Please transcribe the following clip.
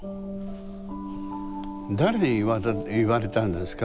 誰に言われたんですか？